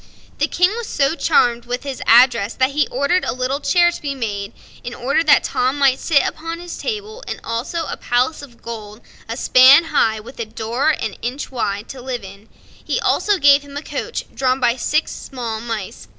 The King was so charmed with his address that he ordered a little chair to be made, in order that Tom might sit upon his table, and also a palace of gold, a span high, with a door an inch wide, to live in. He also gave him a coach, drawn by six small mice.